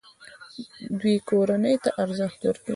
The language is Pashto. دوی کورنۍ ته ارزښت ورکوي.